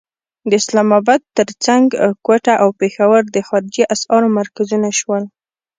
د اسلام اباد تر څنګ کوټه او پېښور د خارجي اسعارو مرکزونه شول.